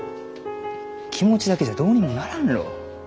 気持ちだけじゃどうにもならんろう？